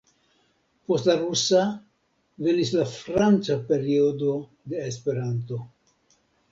Post la Rusa venis la Franca periodo de Esperanto.